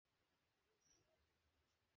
এটা কোন মানব বা দানবাকৃতি ছিল না।